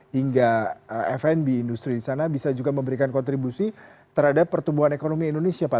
hingga fnb industri di sana bisa juga memberikan kontribusi terhadap pertumbuhan ekonomi indonesia pak